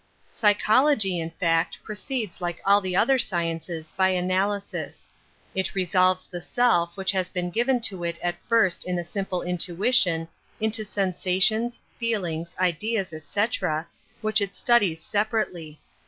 Psychology, in fact, proceeds like all the other sciences by analysis. It resolves the self, which has been given to it at first in a simple intuition, into sensations, feelings, ideas, etc., which it studies separately.